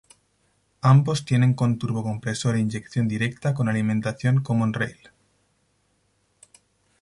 Ambos tienen con turbocompresor e inyección directa con alimentación common-rail.